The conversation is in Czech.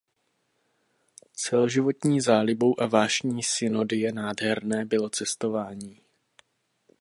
Celoživotní zálibou a vášní Sidonie Nádherné bylo cestování.